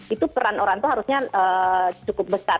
itu peran orang tua harusnya cukup besar